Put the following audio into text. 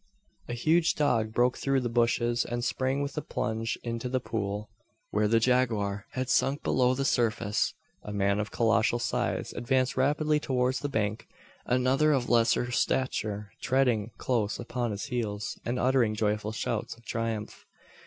A huge dog broke through the bushes, and sprang with a plunge into the pool where the jaguar had sunk below the surface. A man of colossal size advanced rapidly towards the bank; another of lesser stature treading close upon his heels, and uttering joyful shouts of triumph.